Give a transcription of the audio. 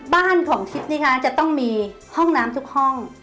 บ้านของทิศจะต้องมีห้องน้ำทุกห้อง